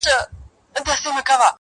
له جانانه مي ګيله ده.!